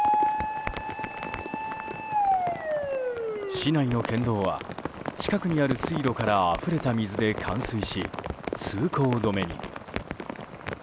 市内の県道は近くにある水路からあふれた水で冠水し通行止めに。